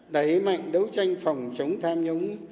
đẩy mạnh đấu tranh phòng chống tham nhũng